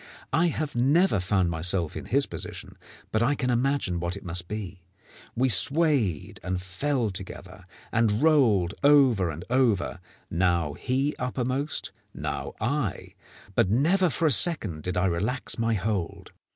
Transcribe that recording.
I have never found myself in his position, but I can imagine what it must be. We swayed and fell together, and rolled over and over now he uppermost, and now I; but never for a second did I relax my hold.